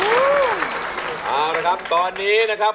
เอาละครับตอนนี้นะครับ